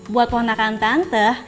buat warna kantan teh